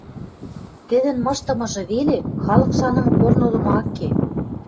тӹдӹн мыштымыжы веле халык шанымы корны доно ак ке